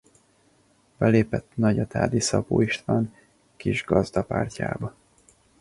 Belépett Nagyatádi Szabó István Kisgazdapártjába.